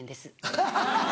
ハハハハ！